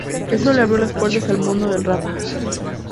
Eso le abrió las puertas al mundo del rap.